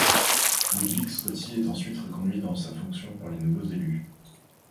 Ludwig Scotty est ensuite reconduit dans sa fonction par les nouveaux élus.